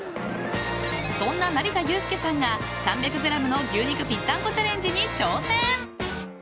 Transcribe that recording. ［そんな成田悠輔さんが３００ｇの牛肉ぴったんこチャレンジに挑戦！］